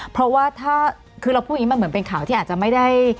เพราะว่าถ้าคือเราพูดอย่างนี้มันเหมือนเป็นข่าวที่อาจจะไม่ได้